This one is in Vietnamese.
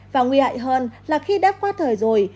và nguy hại hơn là khi đã qua thời rồi